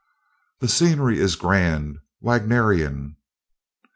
"The scenery is grand Wagnerian!